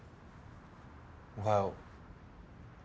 おはよう。